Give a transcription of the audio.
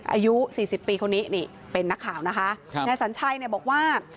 อายุสี่สิบปีคนนี้นี่เป็นนักข่าวนะคะครับนายสัญชัยเนี่ยบอกว่า